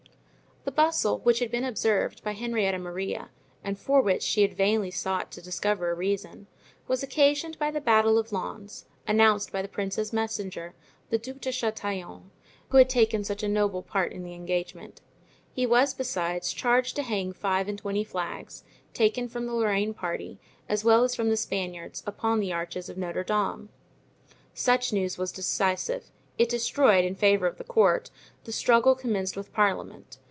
The bustle which had been observed by Henrietta Maria and for which she had vainly sought to discover a reason, was occasioned by the battle of Lens, announced by the prince's messenger, the Duc de Chatillon, who had taken such a noble part in the engagement; he was, besides, charged to hang five and twenty flags, taken from the Lorraine party, as well as from the Spaniards, upon the arches of Notre Dame. Such news was decisive; it destroyed, in favor of the court, the struggle commenced with parliament.